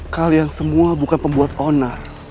kalian semua bukan pembuat onar